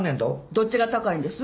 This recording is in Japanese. どっちが高いんです？